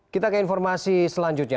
kita ke informasi selanjutnya